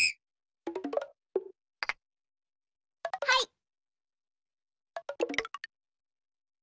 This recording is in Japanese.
はい。